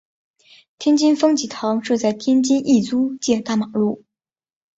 天津方济堂设在天津意租界大马路。